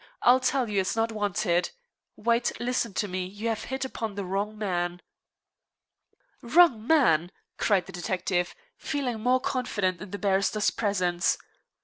I tell you it is not wanted. White, listen to me. You have hit upon the wrong man." "Wrong man!" cried the detective, feeling more confident in the barrister's presence.